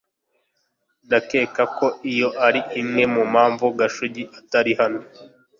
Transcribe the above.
Ndakeka ko iyo ari imwe mu mpamvu Gashugi atari hano